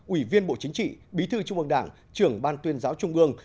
ủy viên bộ chính trị bí thư trung ương đảng trưởng ban tuyên giáo trung ương